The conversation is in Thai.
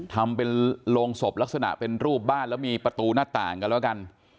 ทำเป็นโรงศพลักษณะเป็นรูปบ้านแล้วมีประตูหน้าต่างกันแล้วกัน